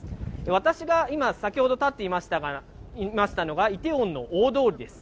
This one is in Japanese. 私が今、先ほど立っていましたのが、イテウォンの大通りです。